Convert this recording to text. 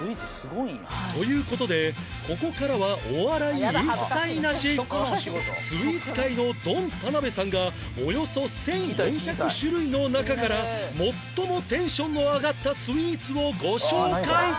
という事でスイーツ界のドン田辺さんがおよそ１４００種類の中から最もテンションの上がったスイーツをご紹介